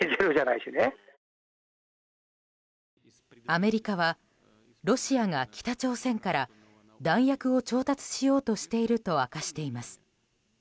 アメリカはロシアが北朝鮮から弾薬を調達しようとしていると明かしています。